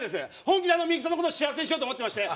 本気でミユキさんのことを幸せにしようと思ってまして